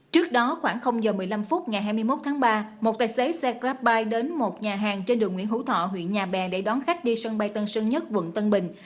trước đó khoảng giờ một mươi năm phút ngày hai mươi một tháng ba một tài xế xe grabbuy đến một nhà hàng trên đường nguyễn hữu thọ huyện nhà bè để đón khách đi sân bay tân sơn nhất quận tân bình